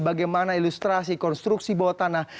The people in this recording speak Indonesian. bagaimana ilustrasi konstruksi bawah tanah